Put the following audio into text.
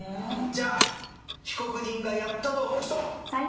じゃあ被告人がやったと思う人。